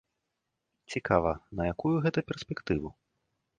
Цікава, на якую гэта перспектыву?